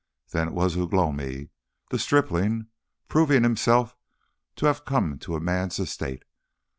Then it was Ugh lomi, the stripling, proved himself to have come to man's estate.